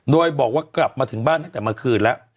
โดยบอกว่ากลับมาถึงบ้านตั้งแต่เมื่อคืนแล้ว